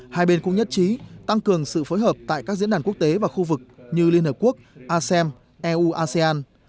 hai bên cũng nhất trí tăng cường sự phối hợp tại các diễn đàn quốc tế và khu vực như liên hợp quốc asem eu asean